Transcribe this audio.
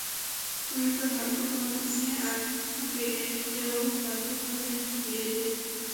তুমি তো ভাগ্যবান, আমি আগে এর চেয়েও বাজেভাবে হারিয়ে গিয়েছিলাম।